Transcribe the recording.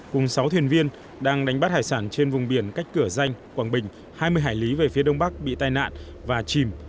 cùng sáu thuyền viên đang đánh bắt hải sản trên vùng biển cách cửa danh quảng bình hai mươi hải lý về phía đông bắc bị tai nạn và chìm